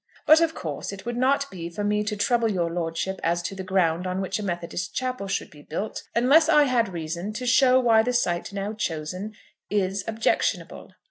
But of course it would not be for me to trouble your lordship as to the ground on which a Methodist chapel should be built, unless I had reason to show why the site now chosen is objectionable.